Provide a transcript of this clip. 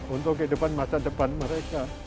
untuk kehidupan masa depan mereka